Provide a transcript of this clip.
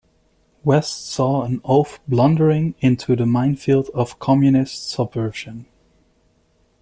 West saw an oaf blundering into the minefield of Communist subversion.